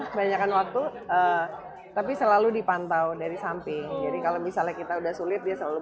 kebanyakan waktu tapi selalu dipantau dari samping jadi kalau misalnya kita udah sulit dia selalu